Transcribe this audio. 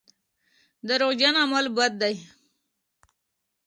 دروغجن عمل بد دی.